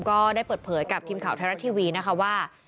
ก็ได้เปิดเผยกับทีมข่าวไทยรัฐทีวีนะคะว่า